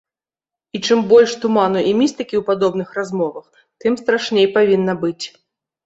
І чым больш туману і містыкі ў падобных размовах, тым страшней павінна быць.